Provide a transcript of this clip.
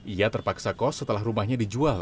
ia terpaksa kos setelah rumahnya dijual